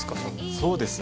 そうですね。